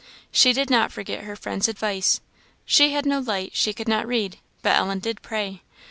She did not forget her friend's advice. She had no light; she could not read; but Ellen did pray.